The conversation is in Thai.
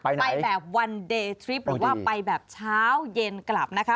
ไปแบบวันเดย์ทริปหรือว่าไปแบบเช้าเย็นกลับนะคะ